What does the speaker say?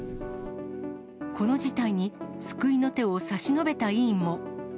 この事態に救いの手を差し伸べた医院も。